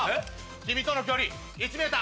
君との距離１ｍ。